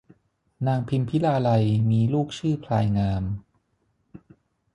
นางพิมพิลาไลยมีลูกชื่อพลายงาม